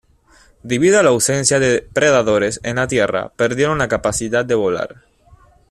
Debido a la ausencia de predadores terrestres, perdieron la capacidad de volar.